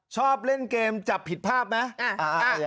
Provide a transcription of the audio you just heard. ชอบเล่นเกมจับผิดภาพไหม